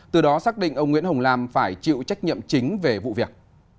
từ đó xác định ông nguyễn hồng lam phải chịu trách nhiệm chính về vụ việc